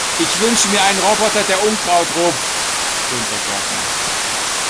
"Ich wünsche mir einen Roboter, der Unkraut rupft", stöhnt der Gärtner.